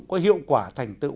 để sân khấu có hiệu quả thành tựu